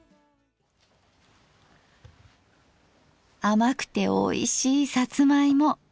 甘くておいしいさつま芋。